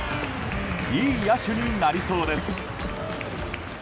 いい野手になりそうです。